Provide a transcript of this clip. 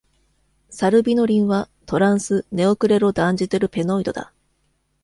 サルビノリンは「トランス」-ネオクレロダンジテルペノイドだ。